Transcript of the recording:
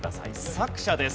作者です。